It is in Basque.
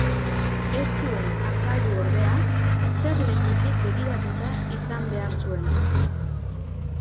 Ez zuen azaldu, ordea, zer lekutik begiratuta izan behar zuen.